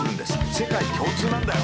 世界共通なんだよ。